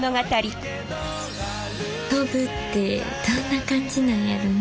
飛ぶってどんな感じなんやろうな。